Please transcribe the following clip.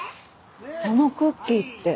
あのクッキーって。